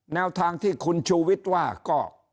แนวทางที่คุณชูวิทย์ว่าก็